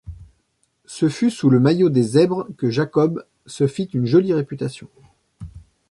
Ce fut sous le maillot des Zèbres que Jacobs se fit une jolie réputation.